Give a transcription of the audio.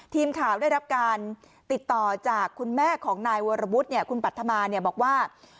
ทีมข่าวได้รับการติดต่อจากคุณแม่ของนายวรวุฒิคุณปัธมาเนี่ยบอกว่า